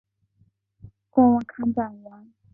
问问看站员